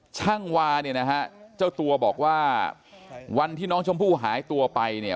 ช่างวาเนี่ยนะฮะเจ้าตัวบอกว่าวันที่น้องชมพู่หายตัวไปเนี่ย